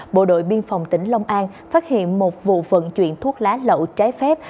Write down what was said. bộ đội biên phòng tỉnh long an phát hiện một vụ vận chuyển thuốc lá lậu trái phép